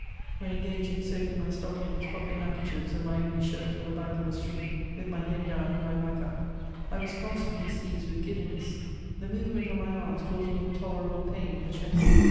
When engaged in soi^ng my stockings, pocket handkerchie&, and my only shirt on the ba^ o£ a stream, with my head down and my back up, I was constantly seized with giddiness ; the movement of my arms caused me in tolerable pain in the chest.